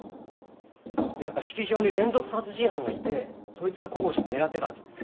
やっぱ式場に連続殺人犯がいてそいつがこころちゃんを狙ってたんじゃない？